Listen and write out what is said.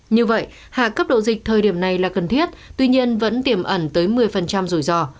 như vậy hạ cấp độ dịch thời điểm này là cần thiết tuy nhiên vẫn tiềm ẩn tới một mươi rủi ro